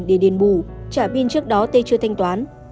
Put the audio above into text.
để đền bù trả biên trước đó tê chưa thanh toán